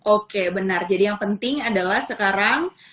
oke benar jadi yang penting adalah sekarang